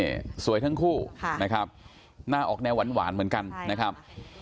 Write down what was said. นี่สวยทั้งคู่นะครับหน้าออกแนวหวานเหมือนกันนะครับ